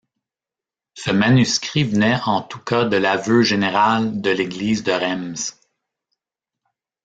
Ce manuscrit venait en tout cas de l'aveu général de l'Église de Reims.